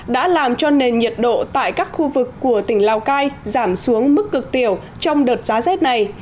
đã làm cho nền nhiệt độ tại các khu vực của tỉnh lào cai giảm xuống mức cực tiểu trong đợt giá rét này